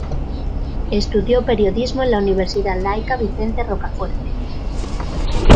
Estudió periodismo en la Universidad Laica Vicente Rocafuerte.